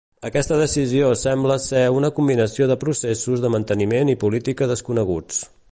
Aquesta decisió sembla ser una combinació de processos de manteniment i política desconeguts.